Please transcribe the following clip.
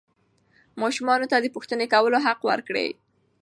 ماشومانو ته د پوښتنې کولو حق ورکړئ.